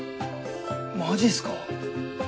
マジっすか？